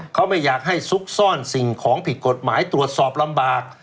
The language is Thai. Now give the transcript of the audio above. เขาไม่อยากให้ซุกซ่อนสิ่งของผิดกฎหมายตรวจสอบลำบาก